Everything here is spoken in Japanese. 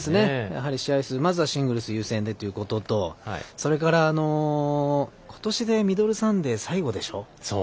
試合数、まずはシングルス優先でということとことしでミドルサンデー最後でしょ。